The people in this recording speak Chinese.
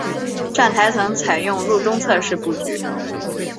站台层采用路中侧式布局。